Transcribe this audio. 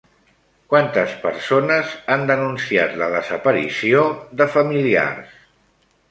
Quantes persones han denunciat la desaparició de familiars?